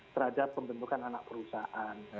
terhadap pembentukan anak perusahaan